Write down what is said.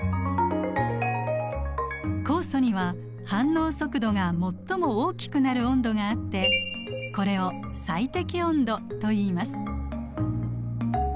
酵素には反応速度が最も大きくなる温度があってこれを最適温度といいます。